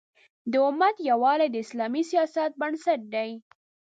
د امت یووالی د اسلامي سیاست بنسټ دی.